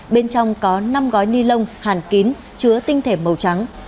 bên trong có năm gói ni lông hàn kín chứa tinh thể màu trắng